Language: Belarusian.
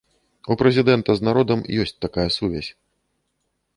У прэзідэнта з народам ёсць такая сувязь.